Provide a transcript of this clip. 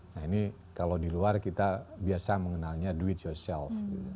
nah ini kalau di luar kita biasa mengenalnya do it yourself